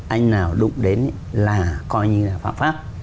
anh nào đụng đến là coi như là phạm pháp